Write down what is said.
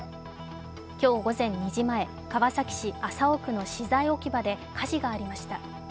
今日午前２時前、川崎市麻生区の資材置き場で火事がありました。